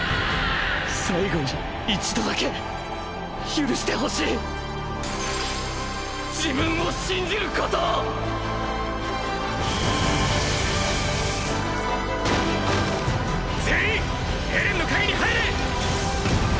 最後に一度だけ許してほしい自分を信じることを全員エレンの陰に入れ！！